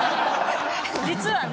実はね。